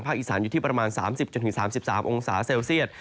อีสานอยู่ที่ประมาณ๓๐๓๓องศาเซลเซียต